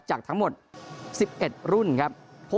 จากทั้งหมด๑๑รุ่นครับ